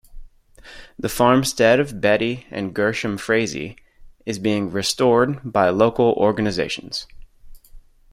The farmstead of Betty and Gershom Frazee is being restored by local organizations.